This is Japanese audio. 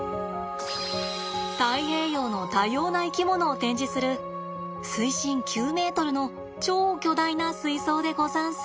太平洋の多様な生き物を展示する水深９ｍの超巨大な水槽でござんす。